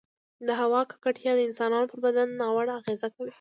د هـوا ککـړتيـا د انسـانـانو پـر بـدن نـاوړه اغـېزه کـوي